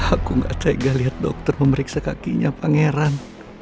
aku gak tega liat dokter memeriksa kakinya pangeran